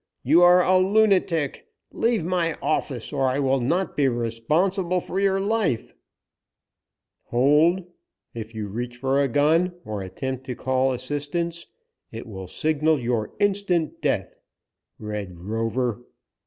You are a lunatic. Leave my office, or I will not be responsible for your life " "Hold! If you reach for a gun, or attempt to call assistance, it will signal your instant death, Red Rover.